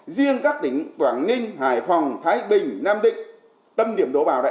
riêng các tỉnh quảng ninh hải phòng thái bình nam định tâm điểm đổ bào đấy